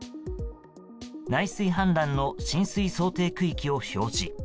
内水氾濫の浸水想定区域を表示。